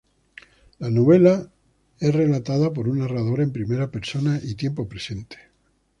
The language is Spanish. La novela es relatada por un narrador en primera persona y tiempo presente.